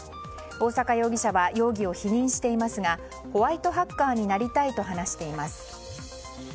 大坂容疑者は容疑を否認していますがホワイトハッカーになりたいと話しています。